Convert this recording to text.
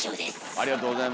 ありがとうございます。